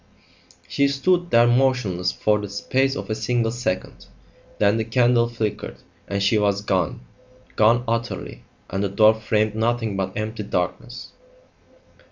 She stood there motionless for the space of a single second. Then the candle flickered and she was gone gone utterly and the door framed nothing but empty darkness.